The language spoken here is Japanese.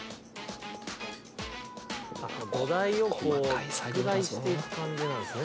土台をこう拡大していく感じなんですね。